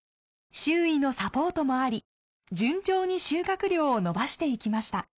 周囲のサポートもあり順調に収穫量を伸ばしていきました。